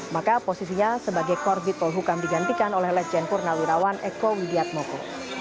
maka posisinya sebagai korbit polhukam digantikan oleh lejen purnawirawan eko widiatmoko